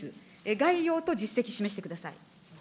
概要と実績示してください。